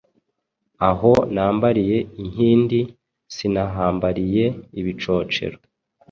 Aho nambariye inkindi sinahambariye ibicocero!